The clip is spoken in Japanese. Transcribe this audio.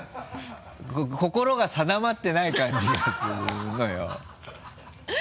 心が定まってない感じがするのよ。